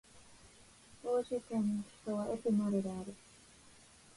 ヴォージュ県の県都はエピナルである